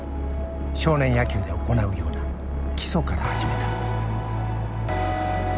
少年野球で行うような基礎から始めた。